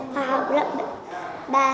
con học lớp ba